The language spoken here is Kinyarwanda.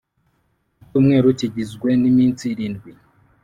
icyumweru kigizwe niminsi irindwi